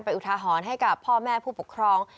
อุทาหรณ์ให้กับพ่อแม่ผู้ปกครอง